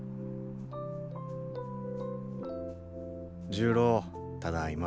重郎ただいま。